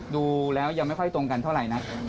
ดูแล้วยังไม่ค่อยตรงกันเท่าไหร่นัก